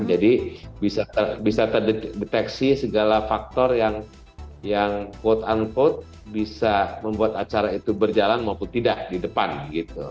jadi bisa terdeteksi segala faktor yang quote unquote bisa membuat acara itu berjalan maupun tidak di depan gitu